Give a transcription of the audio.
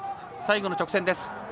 最後の直線です。